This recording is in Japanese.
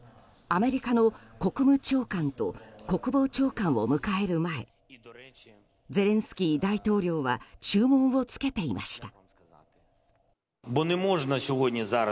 アメリカの国務長官と国防長官を迎える前ゼレンスキー大統領は注文をつけていました。